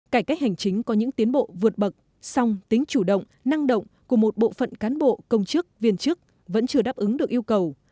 cải cách hành chính có những tiến bộ vượt bậc song tính chủ động năng động của một bộ phận cán bộ công chức viên chức vẫn chưa đáp ứng được yêu cầu